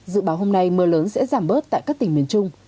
dự báo hôm nay mưa lớn sẽ giảm bớt tại các tỉnh miền trung